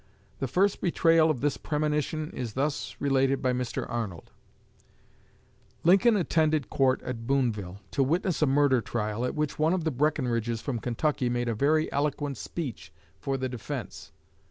The first betrayal of this premonition is thus related by Mr. Arnold: "Lincoln attended court at Booneville, to witness a murder trial, at which one of the Breckenridges from Kentucky made a very eloquent speech for the defense.